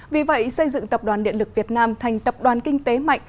vì vậy xây dựng tập đoàn điện lực việt nam thành tập đoàn kinh tế mạnh